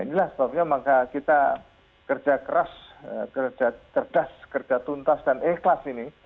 inilah sebabnya maka kita kerja keras kerja cerdas kerja tuntas dan ikhlas ini